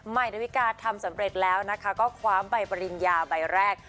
ดาวิกาทำสำเร็จแล้วนะคะก็คว้าใบปริญญาใบแรก